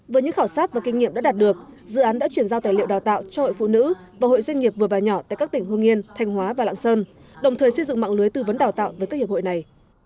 với những khảo sát và kinh nghiệm đã đạt được dự án đã chuyển giao tài liệu đào tạo cho hội phụ nữ và hội doanh nghiệp vừa và nhỏ tại các tỉnh hương yên thanh hóa và lạng sơn đồng thời xây dựng mạng lưới tư vấn đào tạo với các hiệp hội này